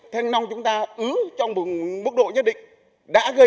thế nông chúng ta ứ trong mức độ nhất định đã gây ra một cái khủng hoảng nhất định rồi